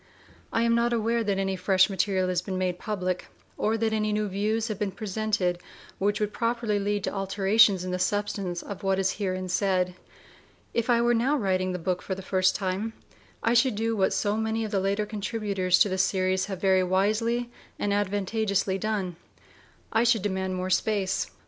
I am not aware that any fresh material has been made public, or that any new views have been presented which would properly lead to alterations in the substance of what is herein said. If I were now writing the book for the first time, I should do what so many of the later contributors to the series have very wisely and advantageously done: I should demand more space.